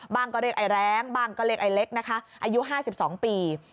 บางก็เรียกไอ้แร้งบางก็เรียกไอ้เล็กอายุ๕๒ปี